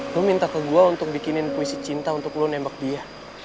lu minta ke gue untuk bikinin puisi cinta untuk lo nembak dia